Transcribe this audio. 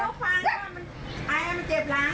เอาบอกยายยายก็เลยว่าว่าน้องฟังว่ามันไอ้มันเจ็บหลัง